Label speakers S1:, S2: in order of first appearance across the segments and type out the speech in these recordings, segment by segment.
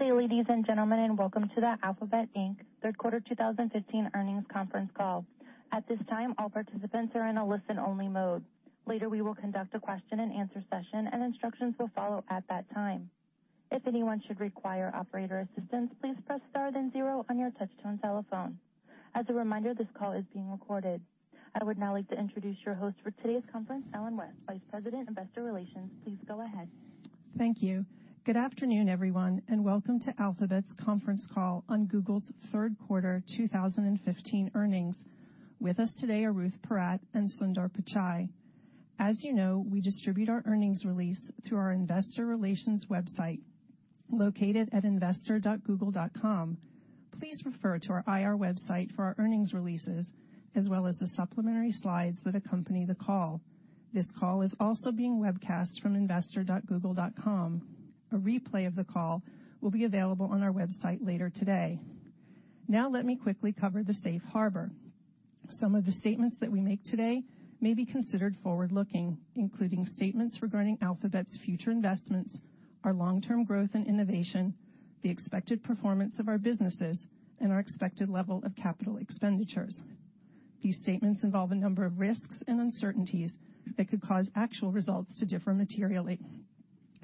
S1: Good day, ladies and gentlemen, and welcome to the Alphabet Inc. Third Quarter 2015 Earnings Conference Call. At this time, all participants are in a listen-only mode. Later, we will conduct a question-and-answer session, and instructions will follow at that time. If anyone should require operator assistance, please press star then zero on your touch-tone telephone. As a reminder, this call is being recorded. I would now like to introduce your host for today's conference, Ellen West, Vice President, Investor Relations. Please go ahead.
S2: Thank you. Good afternoon, everyone, and welcome to Alphabet's Conference Call on Google's Third Quarter 2015 Earnings. With us today are Ruth Porat and Sundar Pichai. As you know, we distribute our earnings release through our Investor Relations website located at investor.google.com. Please refer to our IR website for our earnings releases, as well as the supplementary slides that accompany the call. This call is also being webcast from investor.google.com. A replay of the call will be available on our website later today. Now, let me quickly cover the safe harbor. Some of the statements that we make today may be considered forward-looking, including statements regarding Alphabet's future investments, our long-term growth and innovation, the expected performance of our businesses, and our expected level of capital expenditures. These statements involve a number of risks and uncertainties that could cause actual results to differ materially.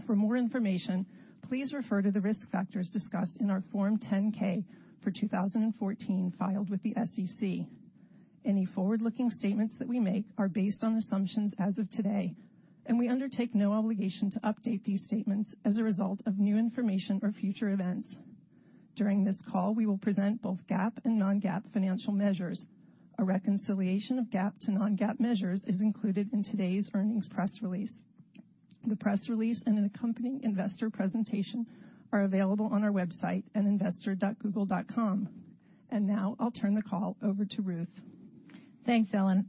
S2: For more information, please refer to the risk factors discussed in our Form 10-K for 2014 filed with the SEC. Any forward-looking statements that we make are based on assumptions as of today, and we undertake no obligation to update these statements as a result of new information or future events. During this call, we will present both GAAP and non-GAAP financial measures. A reconciliation of GAAP to non-GAAP measures is included in today's earnings press release. The press release and an accompanying investor presentation are available on our website at investor.google.com. And now, I'll turn the call over to Ruth.
S3: Thanks, Ellen.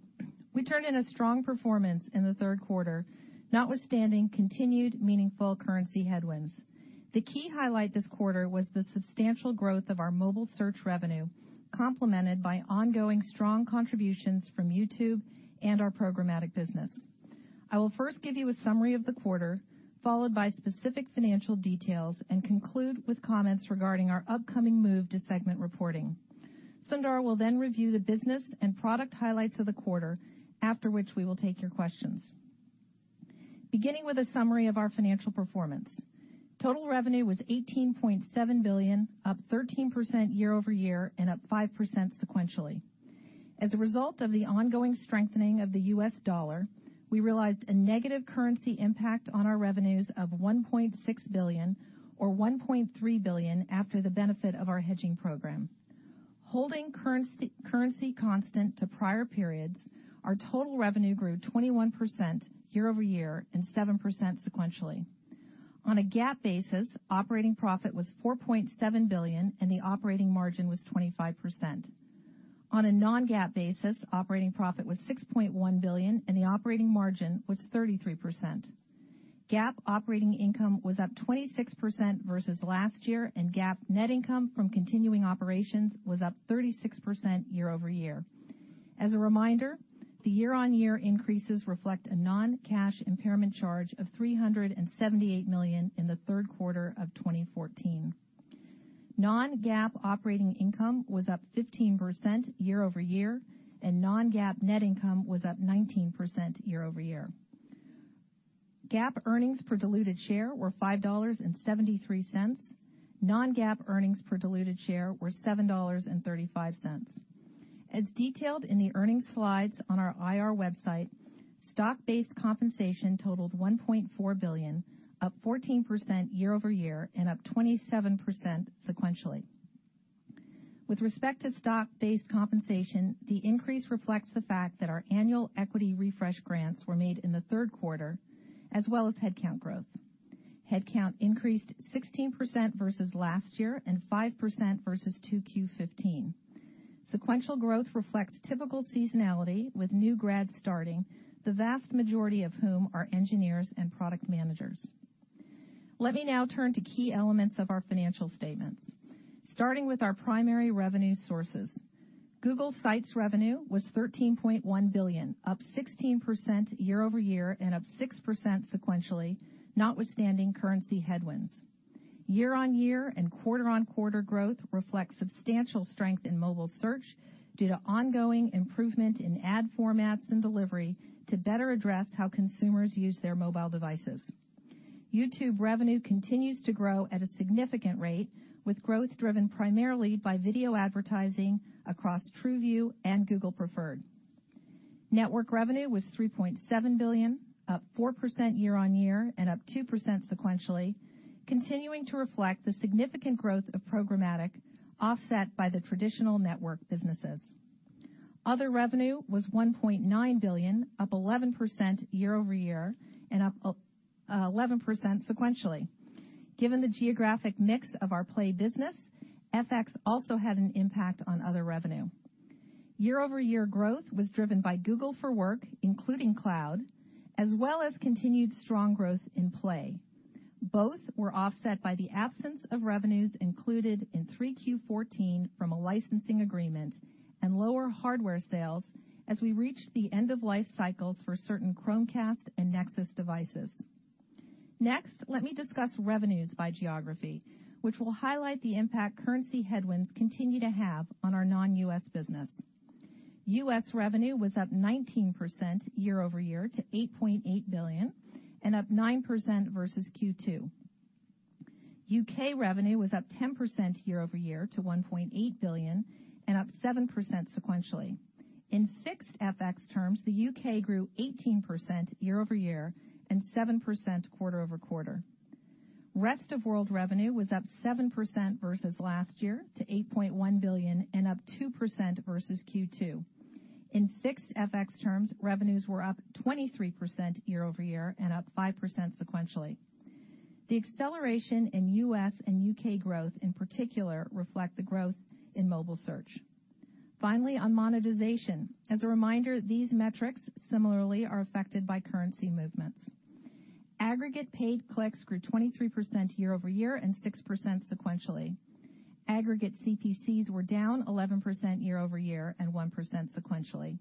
S3: We turned in a strong performance in the third quarter, notwithstanding continued meaningful currency headwinds. The key highlight this quarter was the substantial growth of our mobile search revenue, complemented by ongoing strong contributions from YouTube and our programmatic business. I will first give you a summary of the quarter, followed by specific financial details, and conclude with comments regarding our upcoming move to segment reporting. Sundar will then review the business and product highlights of the quarter, after which we will take your questions. Beginning with a summary of our financial performance, total revenue was $18.7 billion, up 13% year-over-year and up 5% sequentially. As a result of the ongoing strengthening of the U.S. dollar, we realized a negative currency impact on our revenues of $1.6 billion, or $1.3 billion, after the benefit of our hedging program. Holding currency constant to prior periods, our total revenue grew 21% year-over-year and 7% sequentially. On a GAAP basis, operating profit was $4.7 billion, and the operating margin was 25%. On a non-GAAP basis, operating profit was $6.1 billion, and the operating margin was 33%. GAAP operating income was up 26% versus last year, and GAAP net income from continuing operations was up 36% year-over-year. As a reminder, the year-on-year increases reflect a non-cash impairment charge of $378 million in the third quarter of 2014. Non-GAAP operating income was up 15% year-over-year, and non-GAAP net income was up 19% year-over-year. GAAP earnings per diluted share were $5.73. Non-GAAP earnings per diluted share were $7.35. As detailed in the earnings slides on our IR website, stock-based compensation totaled $1.4 billion, up 14% year-over-year, and up 27% sequentially. With respect to stock-based compensation, the increase reflects the fact that our annual equity refresh grants were made in the third quarter, as well as headcount growth. Headcount increased 16% versus last year and 5% versus 2Q15. Sequential growth reflects typical seasonality, with new grads starting, the vast majority of whom are engineers and product managers. Let me now turn to key elements of our financial statements, starting with our primary revenue sources. Google Sites revenue was $13.1 billion, up 16% year-over-year and up 6% sequentially, notwithstanding currency headwinds. Year-on-year and quarter-on-quarter growth reflects substantial strength in mobile search due to ongoing improvement in ad formats and delivery to better address how consumers use their mobile devices. YouTube revenue continues to grow at a significant rate, with growth driven primarily by video advertising across TrueView and Google Preferred. Network revenue was $3.7 billion, up 4% year-on-year and up 2% sequentially, continuing to reflect the significant growth of programmatic, offset by the traditional network businesses. Other revenue was $1.9 billion, up 11% year-over-year and up 11% sequentially. Given the geographic mix of our Play business, FX also had an impact on other revenue. Year-over-year growth was driven by Google for Work, including Cloud, as well as continued strong growth in Play. Both were offset by the absence of revenues included in 3Q14 from a licensing agreement and lower hardware sales as we reached the end-of-life cycles for certain Chromecast and Nexus devices. Next, let me discuss revenues by geography, which will highlight the impact currency headwinds continue to have on our non-U.S. business. U.S. revenue was up 19% year-over-year to $8.8 billion, and up 9% versus Q2. U.K. revenue was up 10% year-over-year to $1.8 billion, and up 7% sequentially. In fixed FX terms, the U.K. grew 18% year-over-year and 7% quarter over quarter. Rest of world revenue was up 7% versus last year to $8.1 billion and up 2% versus Q2. In fixed FX terms, revenues were up 23% year-over-year and up 5% sequentially. The acceleration in U.S. and U.K. growth, in particular, reflects the growth in mobile search. Finally, on monetization, as a reminder, these metrics similarly are affected by currency movements. Aggregate paid clicks grew 23% year-over-year and 6% sequentially. Aggregate CPCs were down 11% year-over-year and 1% sequentially.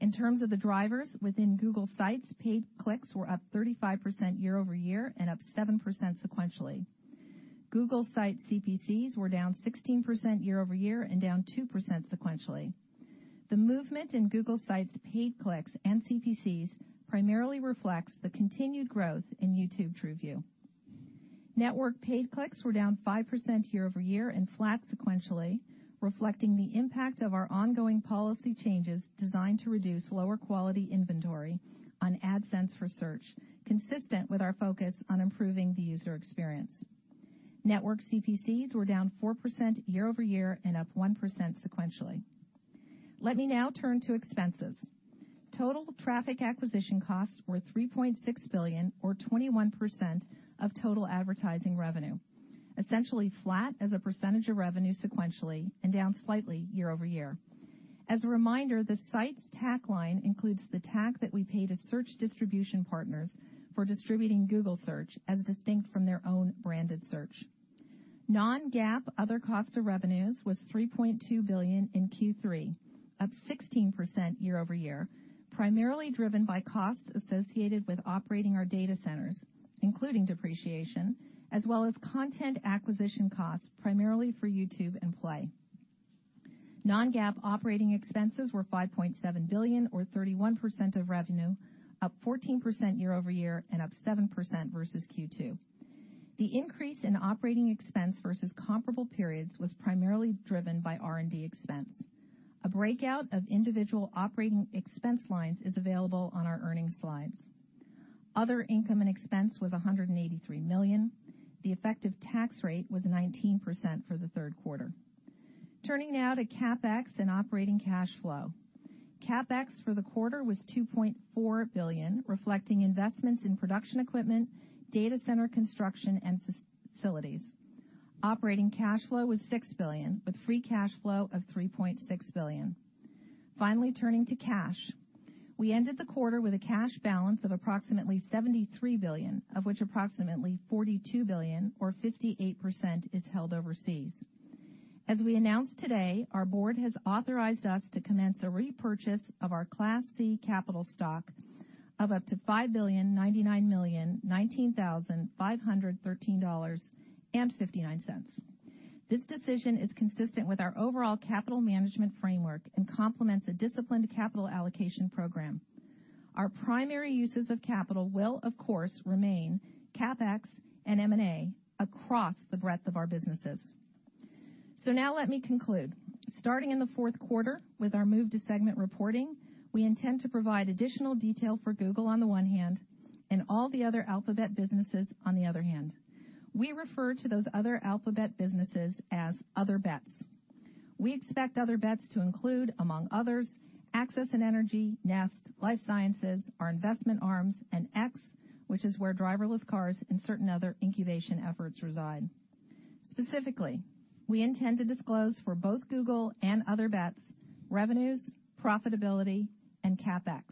S3: In terms of the drivers, within Google Sites, paid clicks were up 35% year-over-year and up 7% sequentially. Google Sites CPCs were down 16% year-over-year and down 2% sequentially. The movement in Google Sites paid clicks and CPCs primarily reflects the continued growth in YouTube TrueView. Network paid clicks were down 5% year-over-year and flat sequentially, reflecting the impact of our ongoing policy changes designed to reduce lower quality inventory on AdSense for Search, consistent with our focus on improving the user experience. Network CPCs were down 4% year-over-year and up 1% sequentially. Let me now turn to expenses. Total traffic acquisition costs were $3.6 billion, or 21% of total advertising revenue, essentially flat as a percentage of revenue sequentially and down slightly year-over-year. As a reminder, the Sites TAC line includes the TAC that we paid to search distribution partners for distributing Google search as distinct from their own branded search. Non-GAAP other cost of revenues was $3.2 billion in Q3, up 16% year-over-year, primarily driven by costs associated with operating our data centers, including depreciation, as well as content acquisition costs primarily for YouTube and Play. Non-GAAP operating expenses were $5.7 billion, or 31% of revenue, up 14% year-over-year and up 7% versus Q2. The increase in operating expense versus comparable periods was primarily driven by R&D expense. A breakout of individual operating expense lines is available on our earnings slides. Other income and expense was $183 million. The effective tax rate was 19% for the third quarter. Turning now to CapEx and operating cash flow. CapEx for the quarter was $2.4 billion, reflecting investments in production equipment, data center construction, and facilities. Operating cash flow was $6 billion, with free cash flow of $3.6 billion. Finally, turning to cash, we ended the quarter with a cash balance of approximately $73 billion, of which approximately $42 billion, or 58%, is held overseas. As we announced today, our board has authorized us to commence a repurchase of our Class C capital stock of up to $5.099 billion. This decision is consistent with our overall capital management framework and complements a disciplined capital allocation program. Our primary uses of capital will, of course, remain CapEx and M&A across the breadth of our businesses. So now, let me conclude. Starting in the fourth quarter with our move to segment reporting, we intend to provide additional detail for Google on the one hand and all the other Alphabet businesses on the other hand. We refer to those other Alphabet businesses as Other Bets. We expect Other Bets to include, among others, Access and Energy, Nest, Life Sciences, our investment arms, and X, which is where driverless cars and certain other incubation efforts reside. Specifically, we intend to disclose for both Google and Other Bets revenues, profitability, and CapEx.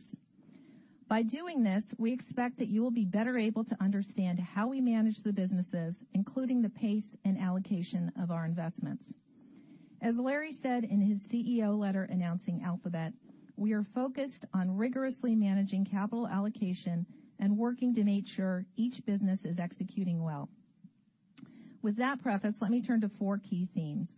S3: By doing this, we expect that you will be better able to understand how we manage the businesses, including the pace and allocation of our investments. As Larry said in his CEO letter announcing Alphabet, we are focused on rigorously managing capital allocation and working to make sure each business is executing well. With that preface, let me turn to four key themes.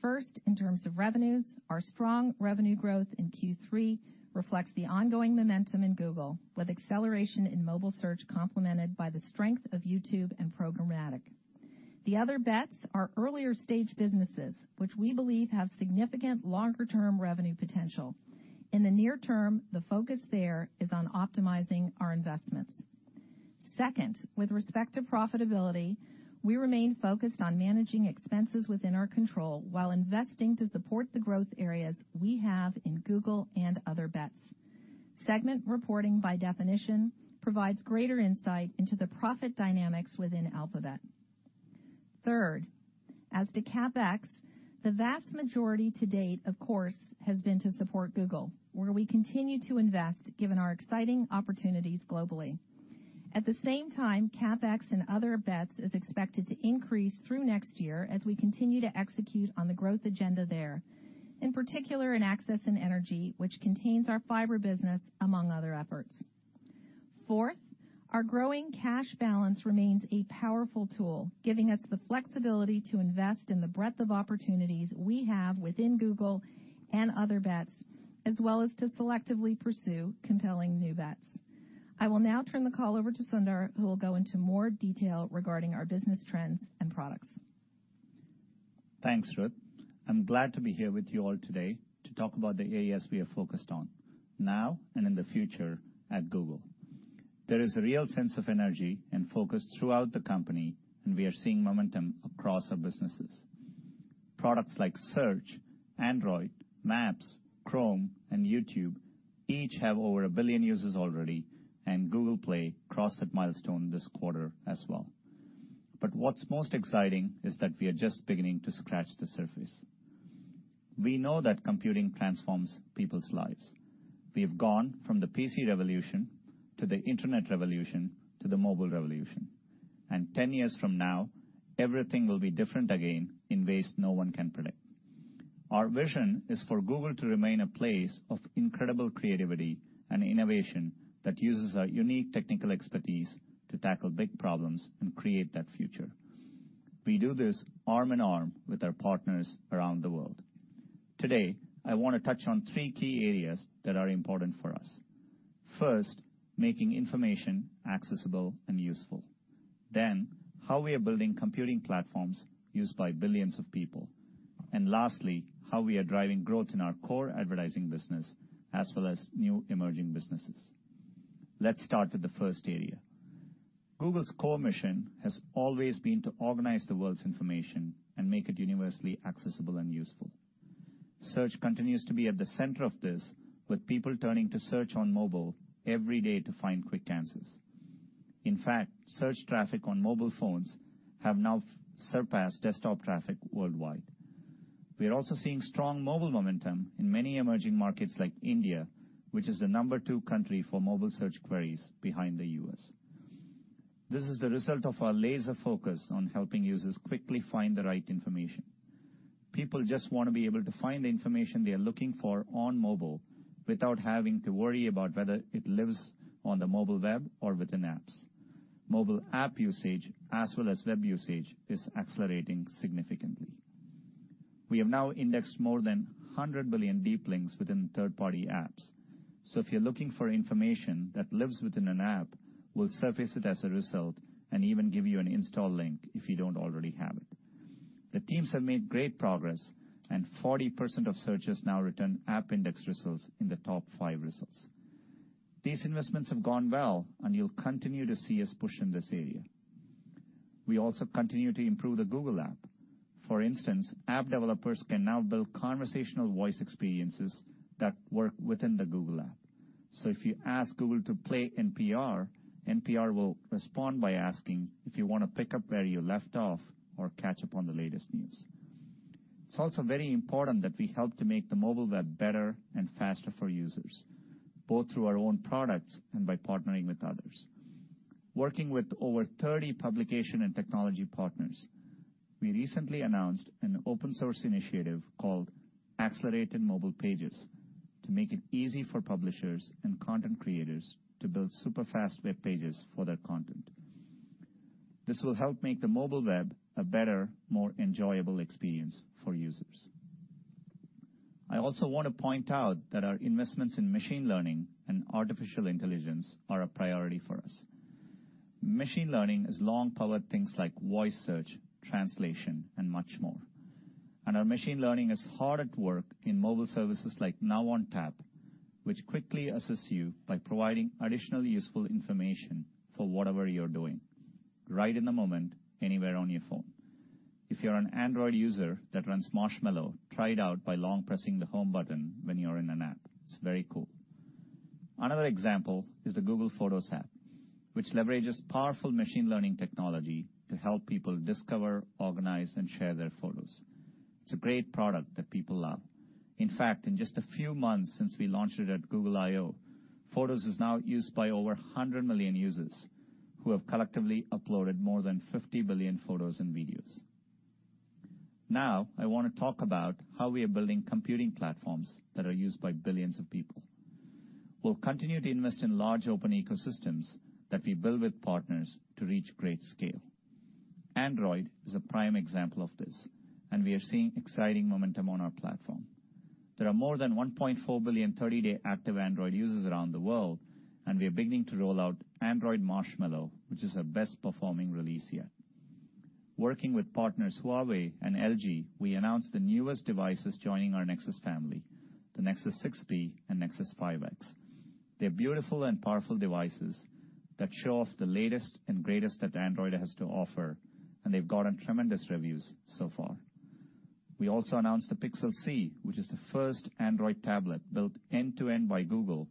S3: First, in terms of revenues, our strong revenue growth in Q3 reflects the ongoing momentum in Google, with acceleration in mobile search complemented by the strength of YouTube and programmatic. The Other Bets are earlier stage businesses, which we believe have significant longer-term revenue potential. In the near term, the focus there is on optimizing our investments. Second, with respect to profitability, we remain focused on managing expenses within our control while investing to support the growth areas we have in Google and Other Bets. Segment reporting, by definition, provides greater insight into the profit dynamics within Alphabet. Third, as to CapEx, the vast majority to date, of course, has been to support Google, where we continue to invest given our exciting opportunities globally. At the same time, CapEx and Other Bets is expected to increase through next year as we continue to execute on the growth agenda there, in particular in Access and Energy, which contains our fiber business, among other efforts. Fourth, our growing cash balance remains a powerful tool, giving us the flexibility to invest in the breadth of opportunities we have within Google and Other Bets, as well as to selectively pursue compelling new bets. I will now turn the call over to Sundar, who will go into more detail regarding our business trends and products.
S1: Thanks, Ruth. I'm glad to be here with you all today to talk about the areas we have focused on now and in the future at Google. There is a real sense of energy and focus throughout the company, and we are seeing momentum across our businesses. Products like Search, Android, Maps, Chrome, and YouTube each have over a billion users already, and Google Play crossed that milestone this quarter as well. But what's most exciting is that we are just beginning to scratch the surface. We know that computing transforms people's lives. We have gone from the PC revolution to the internet revolution to the mobile revolution. And 10 years from now, everything will be different again in ways no one can predict. Our vision is for Google to remain a place of incredible creativity and innovation that uses our unique technical expertise to tackle big problems and create that future. We do this arm in arm with our partners around the world. Today, I want to touch on three key areas that are important for us. First, making information accessible and useful. Then, how we are building computing platforms used by billions of people. And lastly, how we are driving growth in our core advertising business, as well as new emerging businesses. Let's start with the first area. Google's core mission has always been to organize the world's information and make it universally accessible and useful. Search continues to be at the center of this, with people turning to Search on mobile every day to find quick answers. In fact, Search traffic on mobile phones has now surpassed desktop traffic worldwide. We are also seeing strong mobile momentum in many emerging markets like India, which is the number two country for mobile search queries behind the U.S. This is the result of our laser focus on helping users quickly find the right information. People just want to be able to find the information they are looking for on mobile without having to worry about whether it lives on the mobile web or within apps. Mobile app usage, as well as web usage, is accelerating significantly. We have now indexed more than 100 billion deep links within third-party apps. So if you're looking for information that lives within an app, we'll surface it as a result and even give you an install link if you don't already have it. The teams have made great progress, and 40% of searches now return app index results in the top five results. These investments have gone well, and you'll continue to see us push in this area. We also continue to improve the Google app. For instance, app developers can now build conversational voice experiences that work within the Google app. So if you ask Google to play NPR, NPR will respond by asking if you want to pick up where you left off or catch up on the latest news. It's also very important that we help to make the mobile web better and faster for users, both through our own products and by partnering with others. Working with over 30 publication and technology partners, we recently announced an open-source initiative called Accelerated Mobile Pages to make it easy for publishers and content creators to build super fast web pages for their content. This will help make the mobile web a better, more enjoyable experience for users. I also want to point out that our investments in machine learning and artificial intelligence are a priority for us. Machine learning has long powered things like voice search, translation, and much more. And our machine learning is hard at work in mobile services like Now on Tap, which quickly assists you by providing additional useful information for whatever you're doing, right in the moment, anywhere on your phone. If you're an Android user that runs Marshmallow, try it out by long pressing the home button when you're in an app. It's very cool. Another example is the Google Photos app, which leverages powerful machine learning technology to help people discover, organize, and share their photos. It's a great product that people love. In fact, in just a few months since we launched it at Google I/O, Photos is now used by over 100 million users who have collectively uploaded more than 50 billion photos and videos. Now, I want to talk about how we are building computing platforms that are used by billions of people. We'll continue to invest in large open ecosystems that we build with partners to reach great scale. Android is a prime example of this, and we are seeing exciting momentum on our platform. There are more than 1.4 billion 30-day active Android users around the world, and we are beginning to roll out Android Marshmallow, which is our best-performing release yet. Working with partners Huawei and LG, we announced the newest devices joining our Nexus family, the Nexus 6P and Nexus 5X. They're beautiful and powerful devices that show off the latest and greatest that Android has to offer, and they've gotten tremendous reviews so far. We also announced the Pixel C, which is the first Android tablet built end-to-end by Google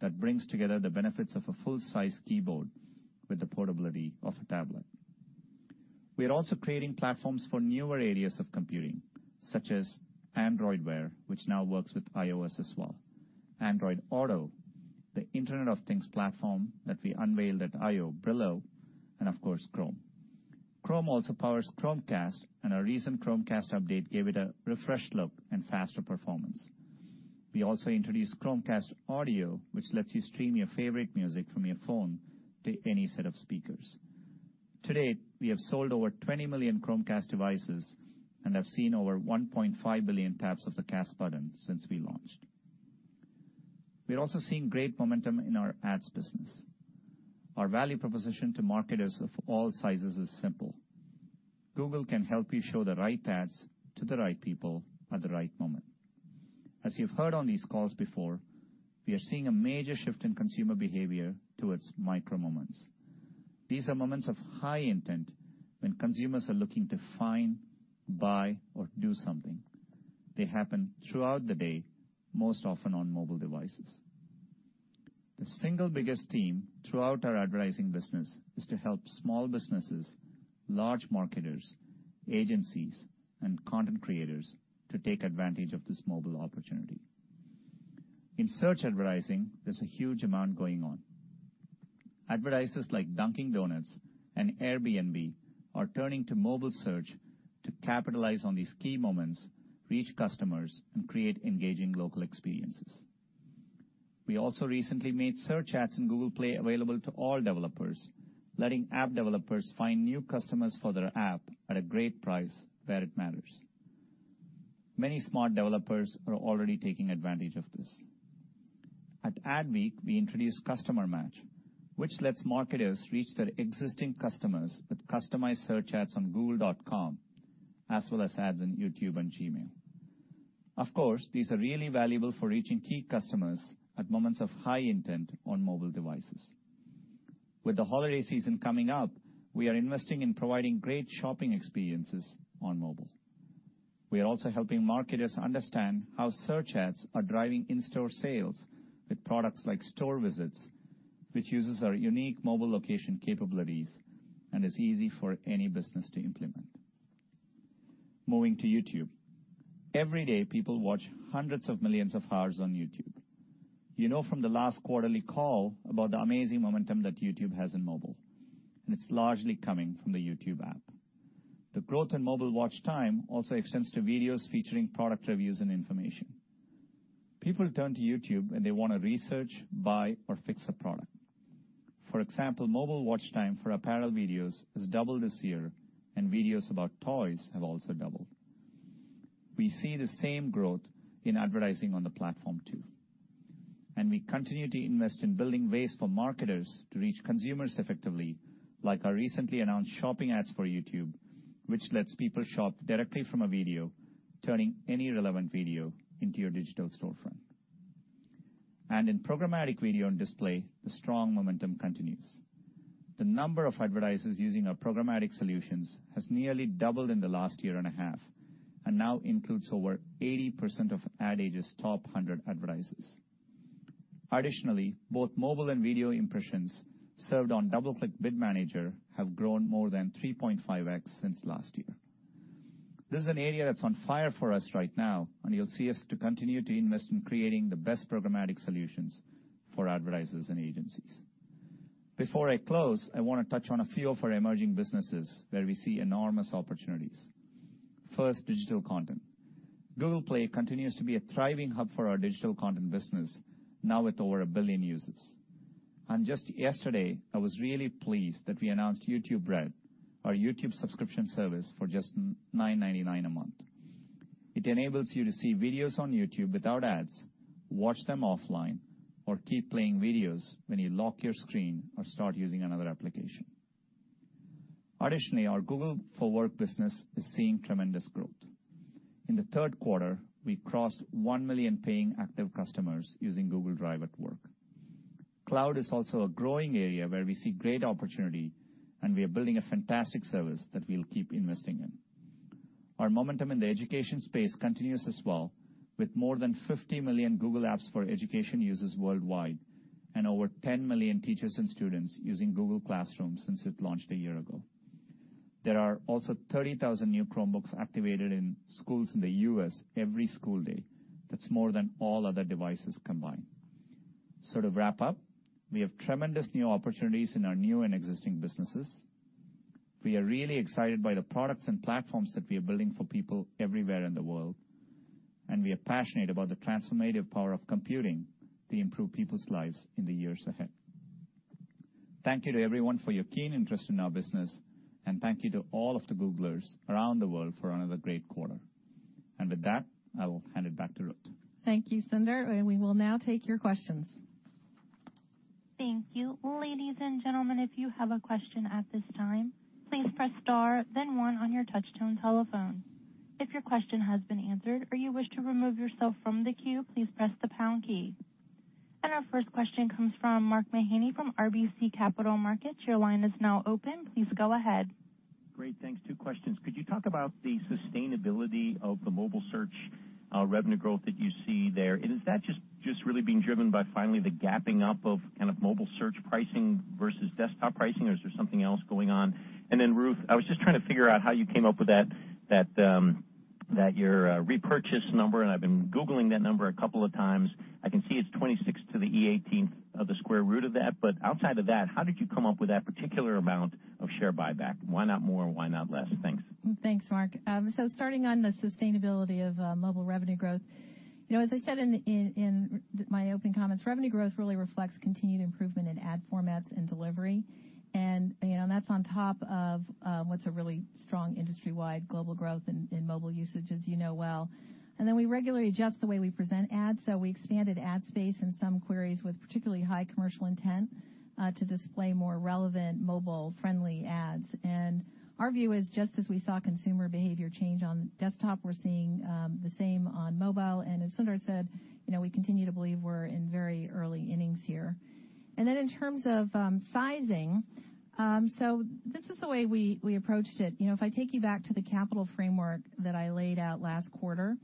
S1: that brings together the benefits of a full-size keyboard with the portability of a tablet. We are also creating platforms for newer areas of computing, such as Android Wear, which now works with iOS as well. Android Auto, the Internet of Things platform that we unveiled at I/O, Brillo, and of course, Chrome. Chrome also powers Chromecast, and our recent Chromecast update gave it a refreshed look and faster performance. We also introduced Chromecast Audio, which lets you stream your favorite music from your phone to any set of speakers. To date, we have sold over 20 million Chromecast devices and have seen over 1.5 billion taps of the cast button since we launched. We're also seeing great momentum in our ads business. Our value proposition to marketers of all sizes is simple. Google can help you show the right ads to the right people at the right moment. As you've heard on these calls before, we are seeing a major shift in consumer behavior towards micro moments. These are moments of high intent when consumers are looking to find, buy, or do something. They happen throughout the day, most often on mobile devices. The single biggest theme throughout our advertising business is to help small businesses, large marketers, agencies, and content creators to take advantage of this mobile opportunity. In search advertising, there's a huge amount going on. Advertisers like Dunkin' Donuts and Airbnb are turning to mobile search to capitalize on these key moments, reach customers, and create engaging local experiences. We also recently made Search Ads and Google Play available to all developers, letting app developers find new customers for their app at a great price where it matters. Many smart developers are already taking advantage of this. At Ad Week, we introduced Customer Match, which lets marketers reach their existing customers with customized search ads on Google.com, as well as ads on YouTube and Gmail. Of course, these are really valuable for reaching key customers at moments of high intent on mobile devices. With the holiday season coming up, we are investing in providing great shopping experiences on mobile. We are also helping marketers understand how Search Ads are driving in-store sales with products like Store Visits, which uses our unique mobile location capabilities and is easy for any business to implement. Moving to YouTube, every day people watch hundreds of millions of hours on YouTube. You know from the last quarterly call about the amazing momentum that YouTube has in mobile, and it's largely coming from the YouTube app. The growth in mobile watch time also extends to videos featuring product reviews and information. People turn to YouTube when they want to research, buy, or fix a product. For example, mobile watch time for apparel videos has doubled this year, and videos about toys have also doubled. We see the same growth in advertising on the platform too. We continue to invest in building ways for marketers to reach consumers effectively, like our recently announced Shopping ads for YouTube, which lets people shop directly from a video, turning any relevant video into your digital storefront. In programmatic video and display, the strong momentum continues. The number of advertisers using our programmatic solutions has nearly doubled in the last year and a half and now includes over 80% of Ad Age's top 100 advertisers. Additionally, both mobile and video impressions served on DoubleClick Bid Manager have grown more than 3.5x since last year. This is an area that's on fire for us right now, and you'll see us continue to invest in creating the best programmatic solutions for advertisers and agencies. Before I close, I want to touch on a few of our emerging businesses where we see enormous opportunities. First, digital content. Google Play continues to be a thriving hub for our digital content business, now with over a billion users. And just yesterday, I was really pleased that we announced YouTube Red, our YouTube subscription service for just $9.99 a month. It enables you to see videos on YouTube without ads, watch them offline, or keep playing videos when you lock your screen or start using another application. Additionally, our Google for Work business is seeing tremendous growth. In the third quarter, we crossed one million paying active customers using Google Drive at work. Cloud is also a growing area where we see great opportunity, and we are building a fantastic service that we'll keep investing in. Our momentum in the education space continues as well, with more than 50 million Google Apps for Education users worldwide and over 10 million teachers and students using Google Classroom since it launched a year ago. There are also 30,000 new Chromebooks activated in schools in the US every school day. That's more than all other devices combined. So to wrap up, we have tremendous new opportunities in our new and existing businesses. We are really excited by the products and platforms that we are building for people everywhere in the world, and we are passionate about the transformative power of computing to improve people's lives in the years ahead. Thank you to everyone for your keen interest in our business, and thank you to all of the Googlers around the world for another great quarter. And with that, I'll hand it back to Ruth.
S3: Thank you, Sundar. We will now take your questions.
S4: Thank you. Ladies and gentlemen, if you have a question at this time, please press star, then one on your touchtone telephone. If your question has been answered or you wish to remove yourself from the queue, please press the pound key. Our first question comes from Mark Mahaney from RBC Capital Markets. Your line is now open. Please go ahead.
S5: Great. Thanks. Two questions. Could you talk about the sustainability of the mobile search revenue growth that you see there? Is that just really being driven by finally the gapping up of kind of mobile search pricing versus desktop pricing, or is there something else going on? Then, Ruth, I was just trying to figure out how you came up with that your repurchase number, and I've been Googling that number a couple of times. I can see it's 26 to the E18 of the square root of that. But outside of that, how did you come up with that particular amount of share buyback? Why not more? Why not less? Thanks.
S3: Thanks, Mark. So starting on the sustainability of mobile revenue growth, as I said in my opening comments, revenue growth really reflects continued improvement in ad formats and delivery. And that's on top of what's a really strong industry-wide global growth in mobile usage, as you know well. And then we regularly adjust the way we present ads. So we expanded ad space in some queries with particularly high commercial intent to display more relevant mobile-friendly ads. And our view is just as we saw consumer behavior change on desktop, we're seeing the same on mobile. And as Sundar said, we continue to believe we're in very early innings here. And then in terms of sizing, so this is the way we approached it. If I take you back to the capital framework that I laid out last quarter,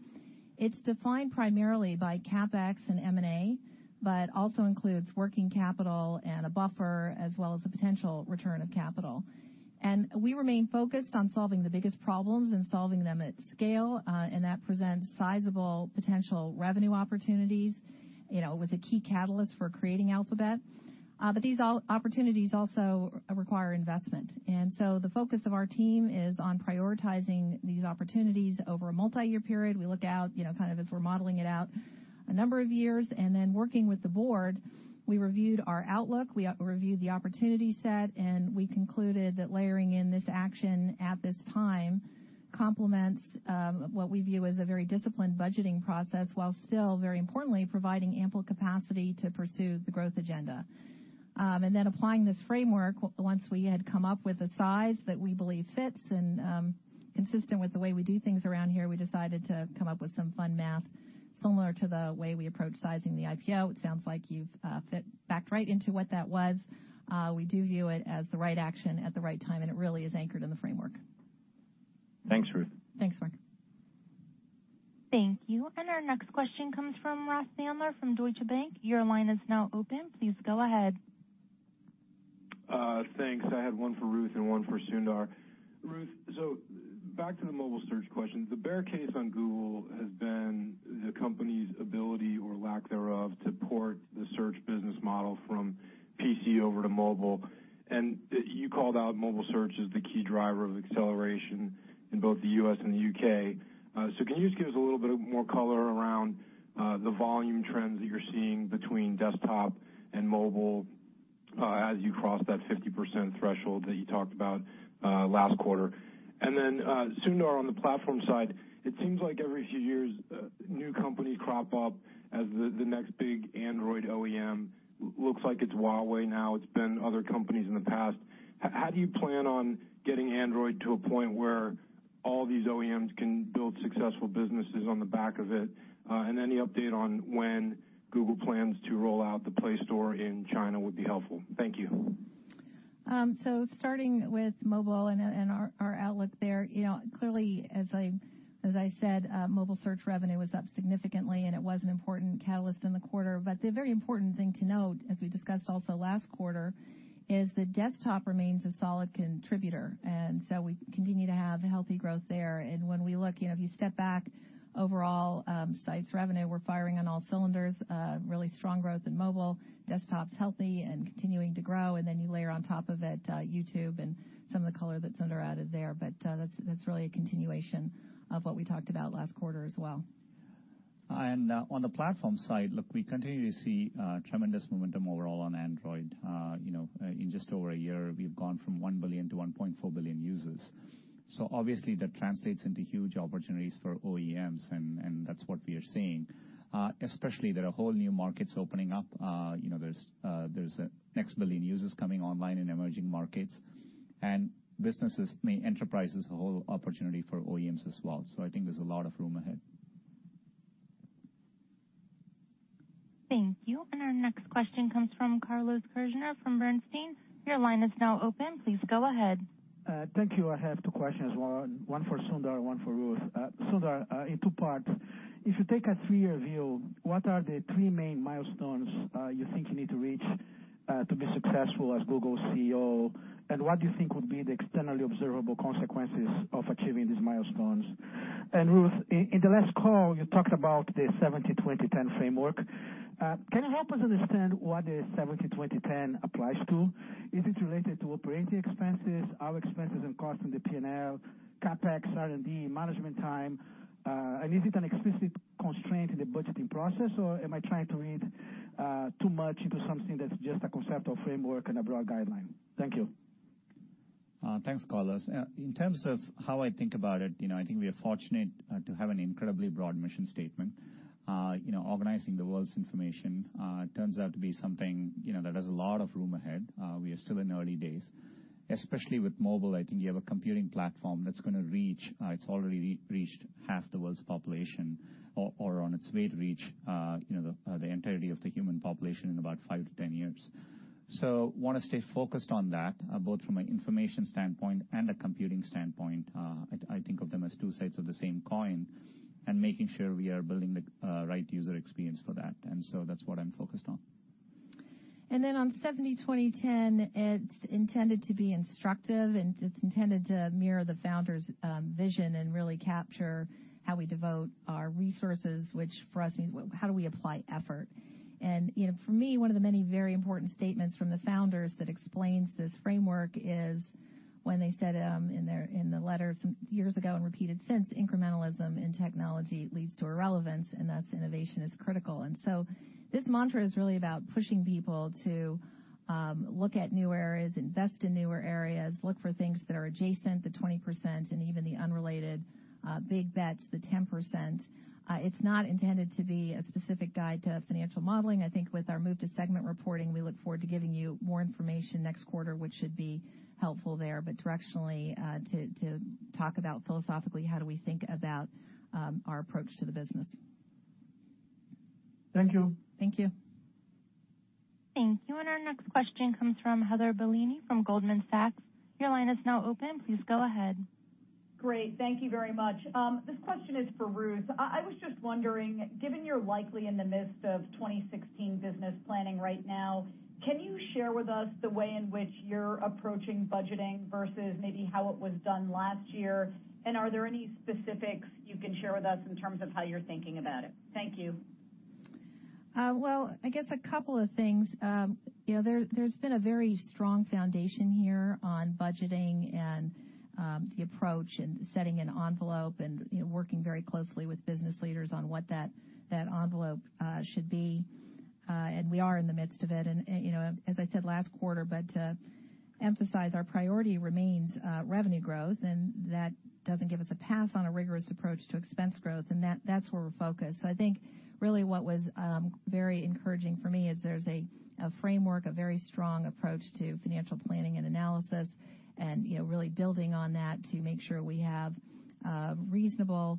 S3: it's defined primarily by CapEx and M&A, but also includes working capital and a buffer, as well as the potential return of capital. We remain focused on solving the biggest problems and solving them at scale, and that presents sizable potential revenue opportunities. It was a key catalyst for creating Alphabet. But these opportunities also require investment. So the focus of our team is on prioritizing these opportunities over a multi-year period. We look out kind of as we're modeling it out a number of years. Then working with the board, we reviewed our outlook. We reviewed the opportunity set, and we concluded that layering in this action at this time complements what we view as a very disciplined budgeting process while still, very importantly, providing ample capacity to pursue the growth agenda. And then applying this framework, once we had come up with a size that we believe fits and consistent with the way we do things around here, we decided to come up with some fun math similar to the way we approach sizing the IPO. It sounds like you've backed right into what that was. We do view it as the right action at the right time, and it really is anchored in the framework.
S5: Thanks, Ruth.
S3: Thanks, Mark.
S4: Thank you. And our next question comes from Ross Seymore from Deutsche Bank. Your line is now open. Please go ahead.
S6: Thanks. I had one for Ruth and one for Sundar. Ruth, so back to the mobile search question. The bear case on Google has been the company's ability or lack thereof to port the search business model from PC over to mobile. And you called out mobile search as the key driver of acceleration in both the U.S. and the U.K. So can you just give us a little bit more color around the volume trends that you're seeing between desktop and mobile as you cross that 50% threshold that you talked about last quarter? And then Sundar on the platform side, it seems like every few years new companies crop up as the next big Android OEM. Looks like it's Huawei now. It's been other companies in the past. How do you plan on getting Android to a point where all these OEMs can build successful businesses on the back of it? And any update on when Google plans to roll out the Play Store in China would be helpful. Thank you.
S3: So starting with mobile and our outlook there, clearly, as I said, mobile search revenue was up significantly, and it was an important catalyst in the quarter. But the very important thing to note, as we discussed also last quarter, is the desktop remains a solid contributor. And so we continue to have healthy growth there. And when we look, if you step back overall sites revenue, we're firing on all cylinders. Really strong growth in mobile. Desktop's healthy and continuing to grow. And then you layer on top of it YouTube and some of the color that Sundar added there. But that's really a continuation of what we talked about last quarter as well.
S1: And on the platform side, look, we continue to see tremendous momentum overall on Android. In just over a year, we've gone from 1 billion to 1.4 billion users. So obviously, that translates into huge opportunities for OEMs, and that's what we are seeing. Especially, there are whole new markets opening up. There's a next billion users coming online in emerging markets. And businesses, I mean, enterprises, a whole opportunity for OEMs as well. So I think there's a lot of room ahead.
S4: Thank you. And our next question comes from Carlos Kirjner from Bernstein. Your line is now open. Please go ahead.
S7: Thank you. I have two questions, one for Sundar and one for Ruth. Sundar, in two parts, if you take a three-year view, what are the three main milestones you think you need to reach to be successful as Google CEO? And what do you think would be the externally observable consequences of achieving these milestones? Ruth, in the last call, you talked about the 70-20-10 framework. Can you help us understand what the 70-20-10 applies to? Is it related to operating expenses, our expenses and costs in the P&L, CapEx, R&D, management time? Is it an explicit constraint in the budgeting process, or am I trying to read too much into something that's just a conceptual framework and a broad guideline? Thank you.
S1: Thanks, Carlos. In terms of how I think about it, I think we are fortunate to have an incredibly broad mission statement. Organizing the world's information turns out to be something that has a lot of room ahead. We are still in early days. Especially with mobile, I think you have a computing platform that's going to reach. It's already reached half the world's population or on its way to reach the entirety of the human population in about five to 10 years. So I want to stay focused on that, both from an information standpoint and a computing standpoint. I think of them as two sides of the same coin and making sure we are building the right user experience for that.
S3: And then on 70-20-10, it's intended to be instructive, and it's intended to mirror the founders' vision and really capture how we devote our resources, which for us means how do we apply effort. And for me, one of the many very important statements from the founders that explains this framework is when they said in the letter some years ago and repeated since, incrementalism in technology leads to irrelevance, and thus innovation is critical. And so this mantra is really about pushing people to look at newer areas, invest in newer areas, look for things that are adjacent, the 20%, and even the unrelated big bets, the 10%. It's not intended to be a specific guide to financial modeling. I think with our move to segment reporting, we look forward to giving you more information next quarter, which should be helpful there, but directionally, to talk about philosophically how we think about our approach to the business.
S7: Thank you.
S3: Thank you.
S4: Thank you. And our next question comes from Heather Bellini from Goldman Sachs. Your line is now open. Please go ahead.
S8: Great. Thank you very much. This question is for Ruth. I was just wondering, given you're likely in the midst of 2016 business planning right now, can you share with us the way in which you're approaching budgeting versus maybe how it was done last year? And are there any specifics you can share with us in terms of how you're thinking about it? Thank you.
S3: Well, I guess a couple of things. There's been a very strong foundation here on budgeting and the approach and setting an envelope and working very closely with business leaders on what that envelope should be. And we are in the midst of it. And as I said last quarter, but to emphasize, our priority remains revenue growth, and that doesn't give us a pass on a rigorous approach to expense growth. And that's where we're focused. So I think really what was very encouraging for me is there's a framework, a very strong approach to financial planning and analysis, and really building on that to make sure we have reasonable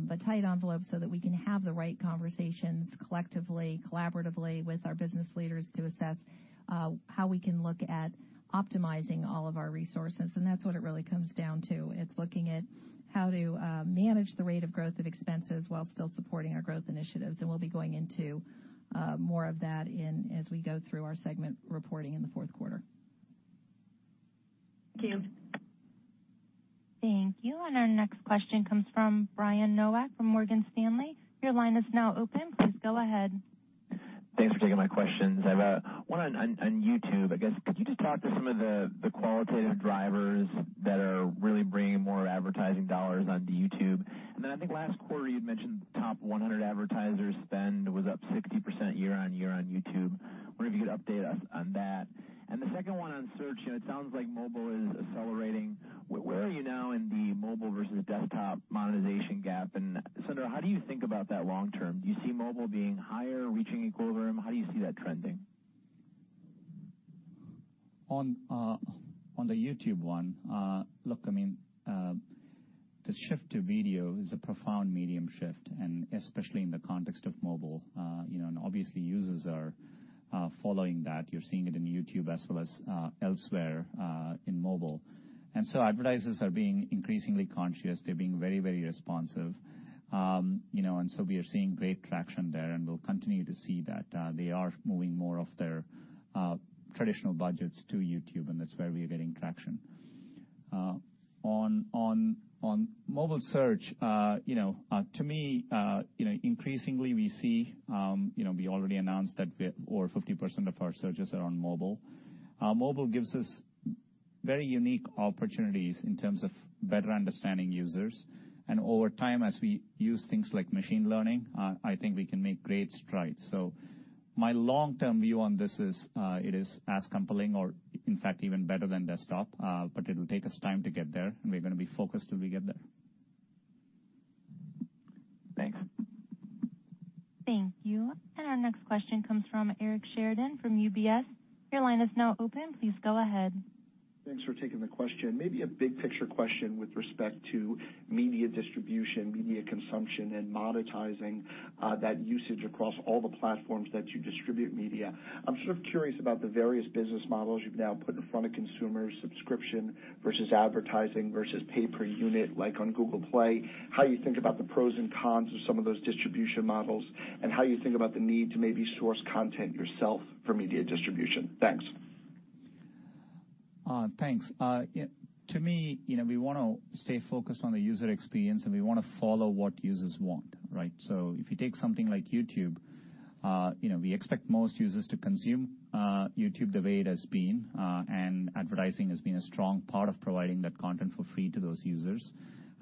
S3: but tight envelopes so that we can have the right conversations collectively, collaboratively with our business leaders to assess how we can look at optimizing all of our resources. And that's what it really comes down to. It's looking at how to manage the rate of growth of expenses while still supporting our growth initiatives. And we'll be going into more of that as we go through our segment reporting in the fourth quarter.
S8: Thank you.
S4: Thank you. And our next question comes from Brian Nowak from Morgan Stanley. Your line is now open. Please go ahead.
S9: Thanks for taking my questions. I have one on YouTube. I guess, could you just talk to some of the qualitative drivers that are really bringing more advertising dollars onto YouTube? And then I think last quarter you'd mentioned top 100 advertisers spend was up 60% year-on-year on YouTube. I wonder if you could update us on that. And the second one on search, it sounds like mobile is accelerating. Where are you now in the mobile versus desktop monetization gap? And Sundar, how do you think about that long term? Do you see mobile being higher, reaching equilibrium? How do you see that trending?
S1: On the YouTube one, look, I mean, the shift to video is a profound medium shift, and especially in the context of mobile. And obviously, users are following that. You're seeing it in YouTube as well as elsewhere in mobile. And so advertisers are being increasingly conscious. They're being very, very responsive. And so we are seeing great traction there, and we'll continue to see that. They are moving more of their traditional budgets to YouTube, and that's where we are getting traction. On mobile search, to me, increasingly we see we already announced that over 50% of our searches are on mobile. Mobile gives us very unique opportunities in terms of better understanding users. And over time, as we use things like machine learning, I think we can make great strides. So my long-term view on this is it is as compelling or, in fact, even better than desktop, but it'll take us time to get there, and we're going to be focused till we get there.
S9: Thanks.
S4: Thank you. And our next question comes from Eric Sheridan from UBS. Your line is now open. Please go ahead.
S10: Thanks for taking the question. Maybe a big picture question with respect to media distribution, media consumption, and monetizing that usage across all the platforms that you distribute media. I'm sort of curious about the various business models you've now put in front of consumers: subscription versus advertising versus pay-per-unit like on Google Play, how you think about the pros and cons of some of those distribution models, and how you think about the need to maybe source content yourself for media distribution. Thanks.
S1: Thanks. To me, we want to stay focused on the user experience, and we want to follow what users want, right? So if you take something like YouTube, we expect most users to consume YouTube the way it has been, and advertising has been a strong part of providing that content for free to those users,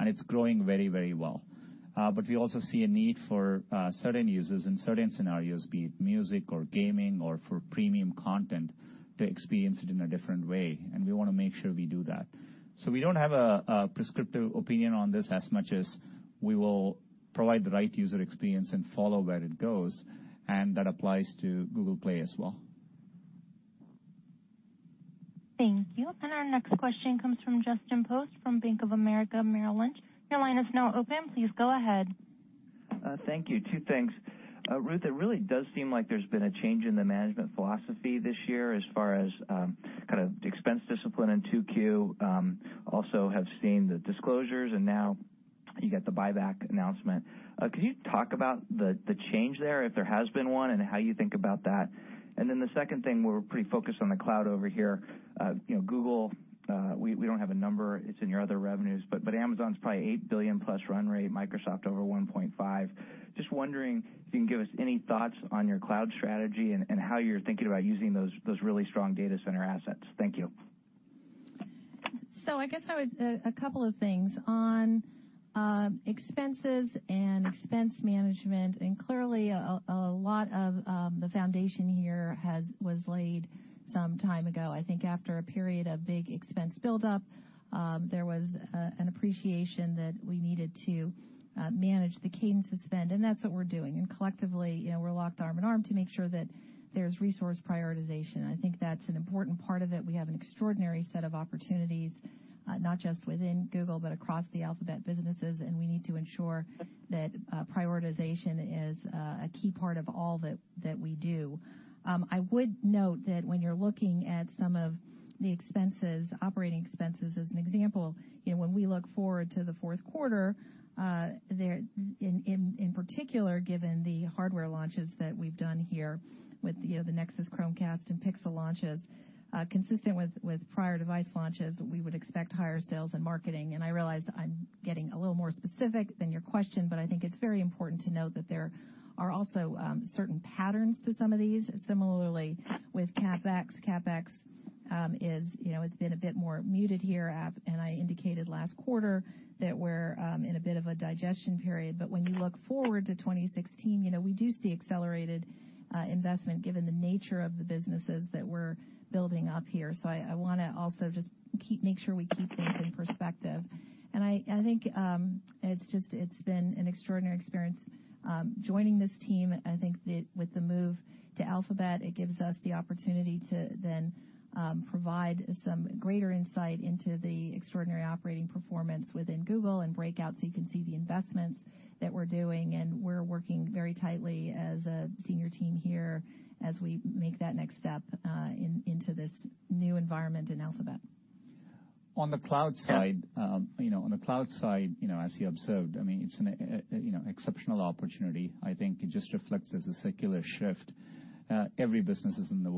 S1: and it's growing very, very well. But we also see a need for certain users in certain scenarios, be it music or gaming or for premium content, to experience it in a different way. And we want to make sure we do that. So we don't have a prescriptive opinion on this as much as we will provide the right user experience and follow where it goes. And that applies to Google Play as well.
S4: Thank you. And our next question comes from Justin Post from Bank of America Merrill Lynch. Your line is now open. Please go ahead.
S11: Thank you. Two things. Ruth, it really does seem like there's been a change in the management philosophy this year as far as kind of expense discipline and to Q2. Also have seen the disclosures, and now you get the buyback announcement. Can you talk about the change there, if there has been one, and how you think about that? And then the second thing, we're pretty focused on the cloud over here. Google, we don't have a number. It's in your other revenues. But Amazon's probably $8 billion plus run rate, Microsoft over $1.5 billion. Just wondering if you can give us any thoughts on your cloud strategy and how you're thinking about using those really strong data center assets. Thank you.
S3: So I guess I would say a couple of things on expenses and expense management. And clearly, a lot of the foundation here was laid some time ago. I think after a period of big expense buildup, there was an appreciation that we needed to manage the cadence of spend. And that's what we're doing. And collectively, we're locked arm in arm to make sure that there's resource prioritization. I think that's an important part of it. We have an extraordinary set of opportunities, not just within Google, but across the Alphabet businesses. And we need to ensure that prioritization is a key part of all that we do. I would note that when you're looking at some of the expenses, operating expenses as an example, when we look forward to the fourth quarter, in particular, given the hardware launches that we've done here with the Nexus, Chromecast, and Pixel launches, consistent with prior device launches, we would expect higher sales and marketing. And I realize I'm getting a little more specific than your question, but I think it's very important to note that there are also certain patterns to some of these. Similarly, with CapEx, CapEx has been a bit more muted here. And I indicated last quarter that we're in a bit of a digestion period. But when you look forward to 2016, we do see accelerated investment given the nature of the businesses that we're building up here. So I want to also just make sure we keep things in perspective. And I think it's been an extraordinary experience joining this team. I think that with the move to Alphabet, it gives us the opportunity to then provide some greater insight into the extraordinary operating performance within Google and breakout so you can see the investments that we're doing. And we're working very tightly as a senior team here as we make that next step into this new environment in Alphabet.
S1: On the cloud side, on the cloud side, as you observed, I mean, it's an exceptional opportunity. I think it just reflects as a secular shift. Every business in the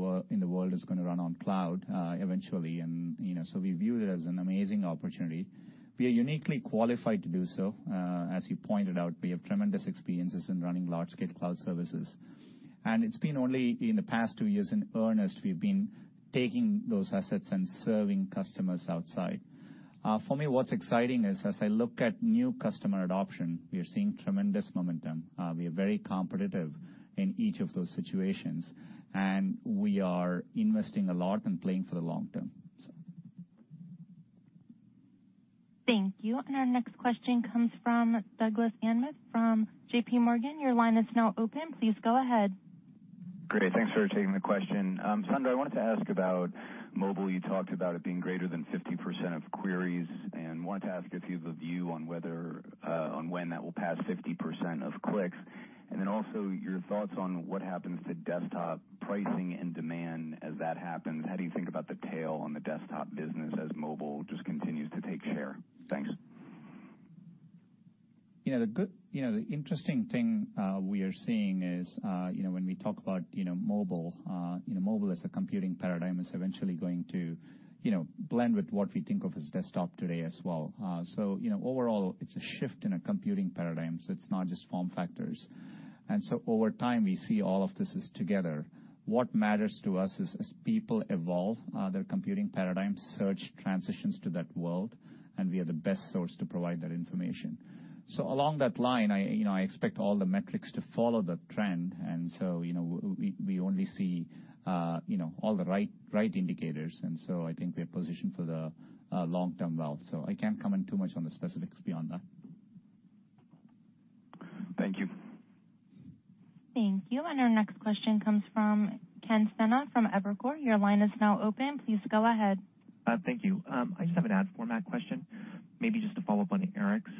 S1: world is going to run on cloud eventually. And so we view it as an amazing opportunity. We are uniquely qualified to do so. As you pointed out, we have tremendous experiences in running large-scale cloud services. And it's been only in the past two years in earnest we've been taking those assets and serving customers outside. For me, what's exciting is as I look at new customer adoption, we are seeing tremendous momentum. We are very competitive in each of those situations. And we are investing a lot and playing for the long term.
S4: Thank you. And our next question comes from Douglas Anmuth from JPMorgan. Your line is now open. Please go ahead.
S12: Great. Thanks for taking the question. Sundar, I wanted to ask about mobile. You talked about it being greater than 50% of queries and wanted to ask if you have a view on when that will pass 50% of clicks. And then also your thoughts on what happens to desktop pricing and demand as that happens. How do you think about the tail on the desktop business as mobile just continues to take share? Thanks.
S1: The interesting thing we are seeing is when we talk about mobile, mobile as a computing paradigm is eventually going to blend with what we think of as desktop today as well. So overall, it's a shift in a computing paradigm. So it's not just form factors. And so over time, we see all of this is together. What matters to us is as people evolve, their computing paradigm search transitions to that world, and we are the best source to provide that information. So along that line, I expect all the metrics to follow the trend. And so we only see all the right indicators. And so I think we're positioned for the long-term well. So I can't comment too much on the specifics beyond that.
S12: Thank you.
S4: Thank you. And our next question comes from Ken Sena from Evercore. Your line is now open. Please go ahead.
S13: Thank you. I just have an ad format question, maybe just to follow up on Eric's.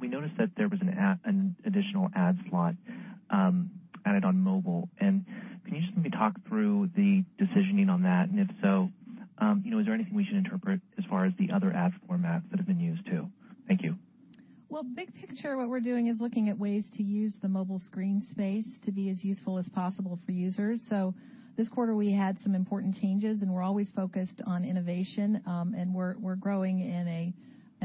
S13: We noticed that there was an additional ad slot added on mobile. And can you just maybe talk through the decisioning on that? And if so, is there anything we should interpret as far as the other ad formats that have been used too? Thank you.
S3: Well, big picture, what we're doing is looking at ways to use the mobile screen space to be as useful as possible for users. So this quarter, we had some important changes, and we're always focused on innovation. And we're growing in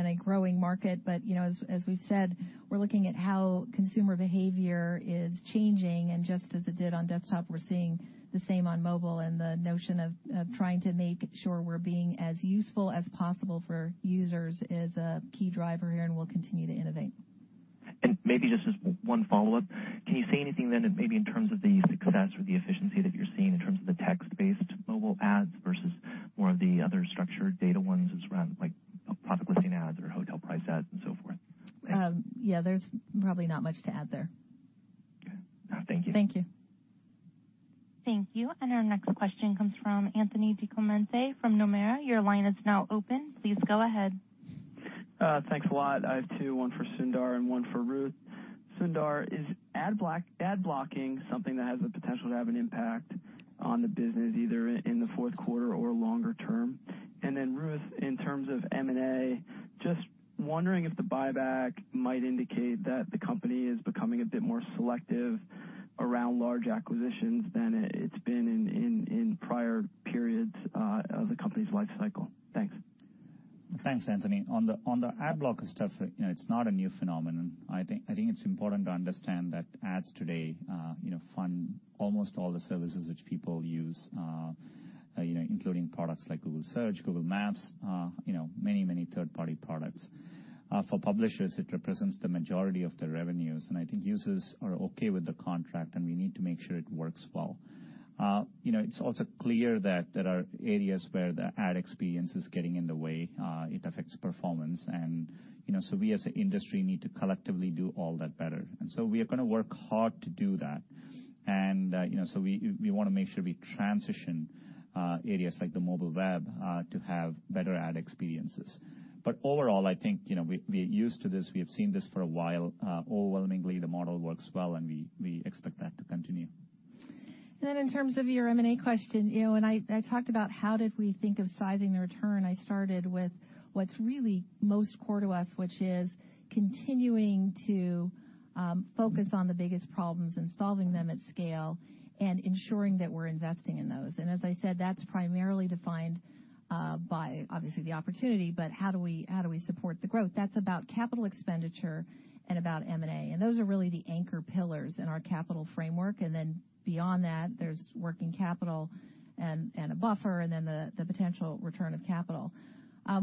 S3: a growing market. But as we've said, we're looking at how consumer behavior is changing. And just as it did on desktop, we're seeing the same on mobile. And the notion of trying to make sure we're being as useful as possible for users is a key driver here, and we'll continue to innovate.
S13: And maybe just as one follow up, can you say anything then maybe in terms of the success or the efficiency that you're seeing in terms of the text-based mobile ads versus more of the other structured data ones around product listing ads or hotel price ads and so forth?
S3: Yeah, there's probably not much to add there.
S13: Okay. Thank you.
S3: Thank you.
S4: Thank you. And our next question comes from Anthony DiClemente from Nomura. Your line is now open. Please go ahead.
S14: Thanks a lot. I have two, one for Sundar and one for Ruth. Sundar, is ad blocking something that has the potential to have an impact on the business either in the fourth quarter or longer term? And then, Ruth, in terms of M&A, just wondering if the buyback might indicate that the company is becoming a bit more selective around large acquisitions than it's been in prior periods of the company's life cycle. Thanks.
S1: Thanks, Anthony. On the ad blocker stuff, it's not a new phenomenon. I think it's important to understand that ads today fund almost all the services which people use, including products like Google Search, Google Maps, many, many third-party products. For publishers, it represents the majority of their revenues. And I think users are okay with the contract, and we need to make sure it works well. It's also clear that there are areas where the ad experience is getting in the way. It affects performance. And so we as an industry need to collectively do all that better. And so we are going to work hard to do that. And so we want to make sure we transition areas like the mobile web to have better ad experiences. But overall, I think we are used to this. We have seen this for a while. Overwhelmingly, the model works well, and we expect that to continue.
S3: And then in terms of your M&A question, and I talked about how did we think of sizing the return. I started with what's really most core to us, which is continuing to focus on the biggest problems and solving them at scale and ensuring that we're investing in those. And as I said, that's primarily defined by, obviously, the opportunity, but how do we support the growth? That's about capital expenditure and about M&A. And those are really the anchor pillars in our capital framework. And then beyond that, there's working capital and a buffer and then the potential return of capital.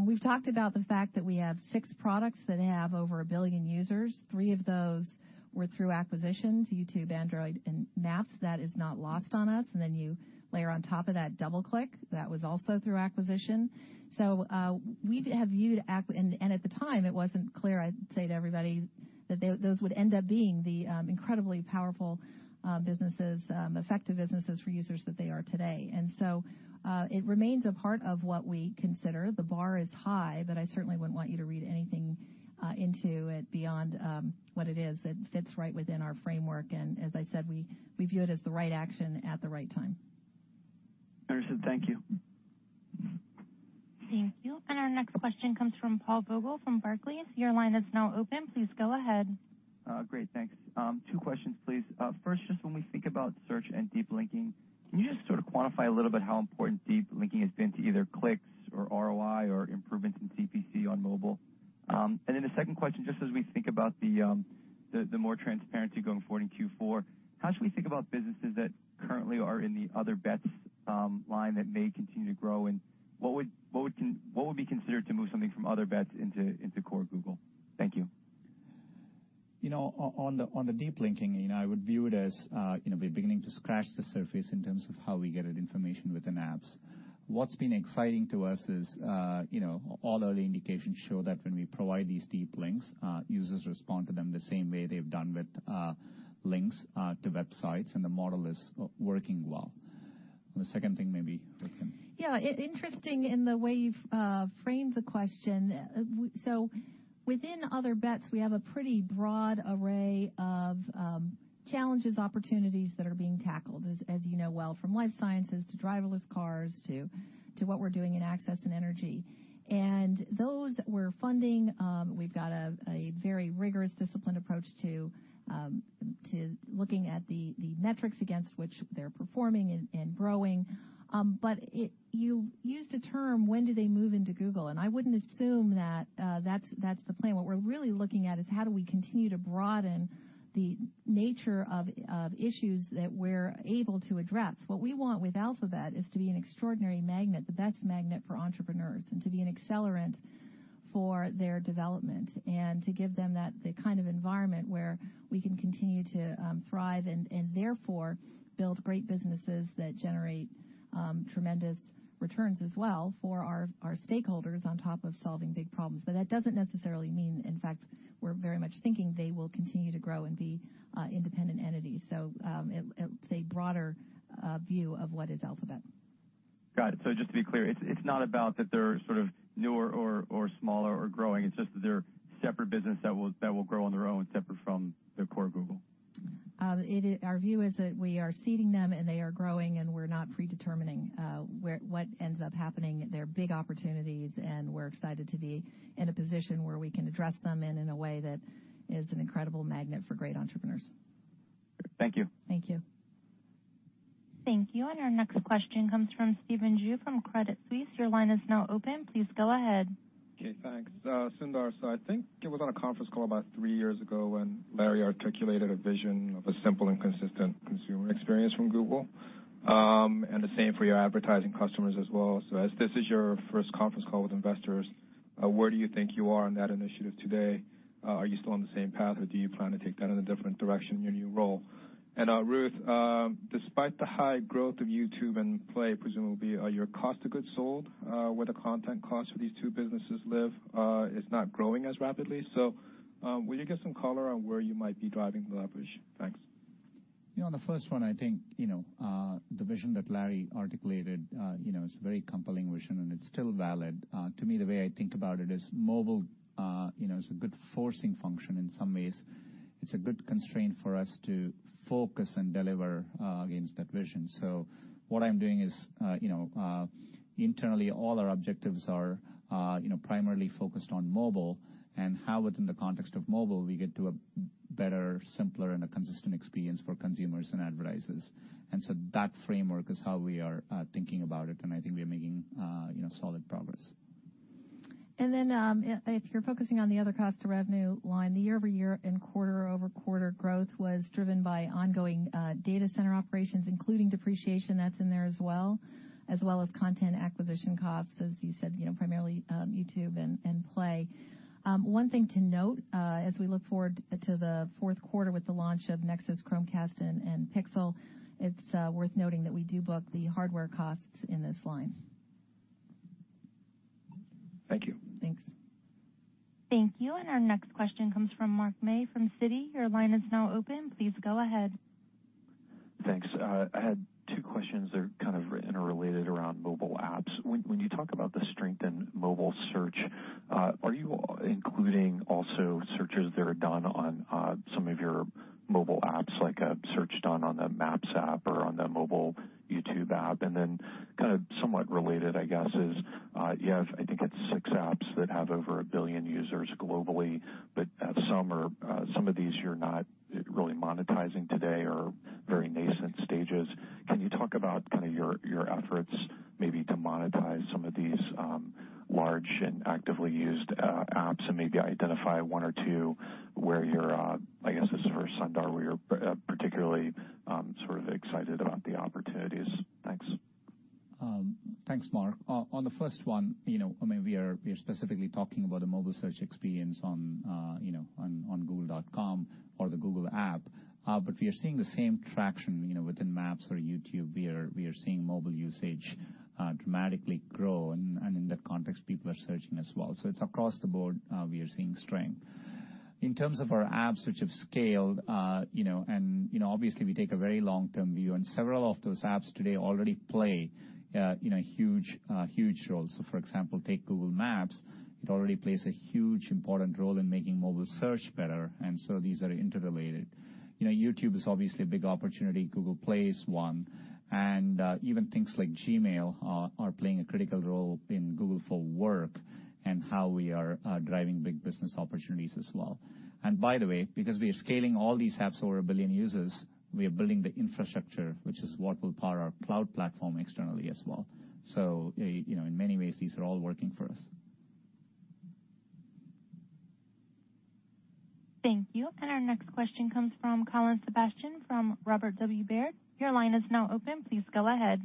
S3: We've talked about the fact that we have six products that have over a billion users. Three of those were through acquisitions: YouTube, Android, and Maps. That is not lost on us. And then you layer on top of that DoubleClick. That was also through acquisition. So we have viewed acquisition, and at the time, it wasn't clear, I'd say to everybody, that those would end up being the incredibly powerful businesses, effective businesses for users that they are today. And so it remains a part of what we consider. The bar is high, but I certainly wouldn't want you to read anything into it beyond what it is. It fits right within our framework. And as I said, we view it as the right action at the right time.
S14: Understood. Thank you.
S4: Thank you. And our next question comes from Paul Vogel from Barclays. Your line is now open. Please go ahead.
S15: Great. Thanks. Two questions, please. First, just when we think about search and deep linking, can you just sort of quantify a little bit how important deep linking has been to either clicks or ROI or improvements in CPC on mobile? And then the second question, just as we think about the more transparency going forward in Q4, how should we think about businesses that currently are in the Other Bets line that may continue to grow? And what would be considered to move something from Other Bets into core Google? Thank you.
S1: On the deep linking, I would view it as we're beginning to scratch the surface in terms of how we get information within apps. What's been exciting to us is all early indications show that when we provide these deep links, users respond to them the same way they've done with links to websites, and the model is working well. The second thing, maybe we can.
S3: Yeah, interesting in the way you've framed the question. So within Other Bets, we have a pretty broad array of challenges, opportunities that are being tackled, as you know well, from Life Sciences to driverless cars to what we're doing in Access and Energy. And those we're funding. We've got a very rigorous disciplined approach to looking at the metrics against which they're performing and growing. But you used a term, "When do they move into Google?" And I wouldn't assume that that's the plan. What we're really looking at is how do we continue to broaden the nature of issues that we're able to address. What we want with Alphabet is to be an extraordinary magnet, the best magnet for entrepreneurs, and to be an accelerant for their development and to give them the kind of environment where we can continue to thrive and therefore build great businesses that generate tremendous returns as well for our stakeholders on top of solving big problems. But that doesn't necessarily mean, in fact, we're very much thinking they will continue to grow and be independent entities. So it's a broader view of what is Alphabet.
S15: Got it. So just to be clear, it's not about that they're sort of newer or smaller or growing. It's just that they're a separate business that will grow on their own separate from the core Google?
S3: Our view is that we are seeding them, and they are growing, and we're not predetermining what ends up happening. They're big opportunities, and we're excited to be in a position where we can address them in a way that is an incredible magnet for great entrepreneurs.
S15: Thank you.
S3: Thank you.
S4: Thank you. And our next question comes from Stephen Ju from Credit Suisse. Your line is now open. Please go ahead.
S16: Okay. Thanks. Sundar, so I think it was on a conference call about three years ago when Larry articulated a vision of a simple and consistent consumer experience from Google and the same for your advertising customers as well. So as this is your first conference call with investors, where do you think you are on that initiative today? Are you still on the same path, or do you plan to take that in a different direction in your new role? And Ruth, despite the high growth of YouTube and Play, presumably, are your cost of goods sold where the content costs for these two businesses live? It's not growing as rapidly. So will you give some color on where you might be driving the leverage? Thanks.
S1: On the first one, I think the vision that Larry articulated is a very compelling vision, and it's still valid. To me, the way I think about it is mobile is a good forcing function in some ways. It's a good constraint for us to focus and deliver against that vision. So what I'm doing is internally, all our objectives are primarily focused on mobile. And how, within the context of mobile, we get to a better, simpler, and a consistent experience for consumers and advertisers. And so that framework is how we are thinking about it. And I think we are making solid progress.
S3: And then if you're focusing on the other cost of revenue line, the year-over-year and quarter-over-quarter growth was driven by ongoing data center operations, including depreciation that's in there as well, as well as content acquisition costs, as you said, primarily YouTube and Play. One thing to note as we look forward to the fourth quarter with the launch of Nexus, Chromecast, and Pixel; it's worth noting that we do book the hardware costs in this line.
S16: Thank you.
S3: Thanks.
S4: Thank you. And our next question comes from Mark May from Citi. Your line is now open. Please go ahead. Thanks. I had two questions that are kind of interrelated around mobile apps. When you talk about the strength in mobile search, are you including also searches that are done on some of your mobile apps, like a search done on the Maps app or on the mobile YouTube app? And then kind of somewhat related, I guess, is you have, I think, it's six apps that have over a billion users globally, but some of these you're not really monetizing today or very nascent stages. Can you talk about kind of your efforts maybe to monetize some of these large and actively used apps and maybe identify one or two where you're, I guess this is for Sundar, where you're particularly sort of excited about the opportunities? Thanks.
S1: Thanks, Mark. On the first one, I mean, we are specifically talking about the mobile search experience on Google.com or the Google app, but we are seeing the same traction within Maps or YouTube. We are seeing mobile usage dramatically grow, and in that context, people are searching as well. It's across the board we are seeing strength. In terms of our apps which have scaled, and obviously, we take a very long-term view, and several of those apps today already play a huge role. For example, take Google Maps. It already plays a huge important role in making mobile search better, and so these are interrelated. YouTube is obviously a big opportunity. Google Play is one, and even things like Gmail are playing a critical role in Google for Work and how we are driving big business opportunities as well. And by the way, because we are scaling all these apps over a billion users, we are building the infrastructure, which is what will power our Cloud Platform externally as well. So in many ways, these are all working for us.
S4: Thank you. And our next question comes from Colin Sebastian from Robert W. Baird. Your line is now open. Please go ahead.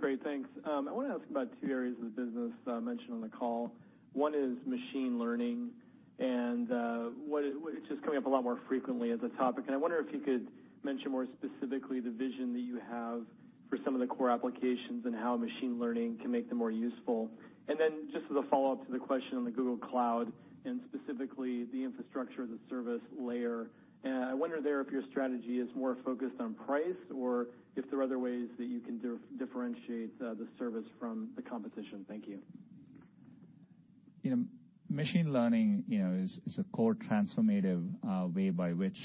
S4: Great. Thanks. I want to ask about two areas of the business mentioned on the call. One is machine learning, and it's just coming up a lot more frequently as a topic. And I wonder if you could mention more specifically the vision that you have for some of the core applications and how machine learning can make them more useful. And then just as a follow-up to the question on the Google Cloud and specifically the infrastructure as a service layer, I wonder there if your strategy is more focused on price or if there are other ways that you can differentiate the service from the competition. Thank you.
S1: Machine learning is a core transformative way by which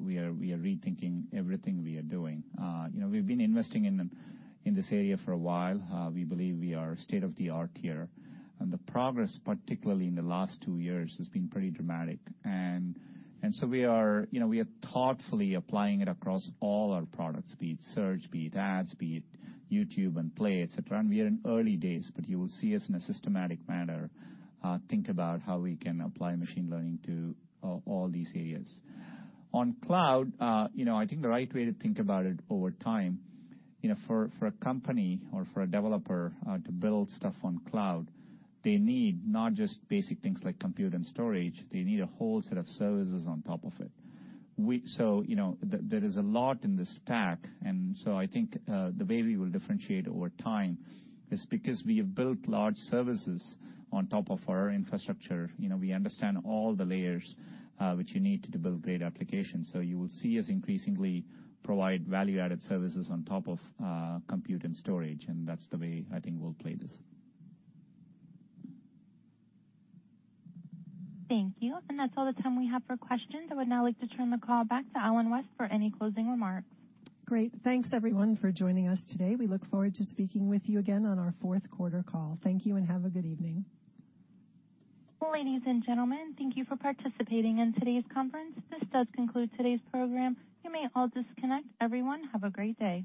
S1: we are rethinking everything we are doing. We've been investing in this area for a while. We believe we are state-of-the-art here. And the progress, particularly in the last two years, has been pretty dramatic. And so we are thoughtfully applying it across all our products, be it Search, be it Ads, be it YouTube and Play, etc. And we are in early days, but you will see us in a systematic manner think about how we can apply machine learning to all these areas. On cloud, I think the right way to think about it over time for a company or for a developer to build stuff on cloud, they need not just basic things like compute and storage. They need a whole set of services on top of it. So there is a lot in the stack. And so I think the way we will differentiate over time is because we have built large services on top of our infrastructure. We understand all the layers which you need to build great applications. So you will see us increasingly provide value-added services on top of compute and storage. And that's the way I think we'll play this.
S4: Thank you. And that's all the time we have for questions. I would now like to turn the call back to Ellen West for any closing remarks.
S2: Great. Thanks, everyone, for joining us today. We look forward to speaking with you again on our fourth quarter call. Thank you and have a good evening.
S4: Ladies and gentlemen, thank you for participating in today's conference. This does conclude today's program. You may all disconnect. Everyone, have a great day.